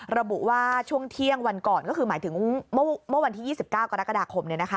ระบุว่าช่วงเที่ยงวันก่อนก็คือหมายถึงเมื่อวันที่๒๙กรกฎาคม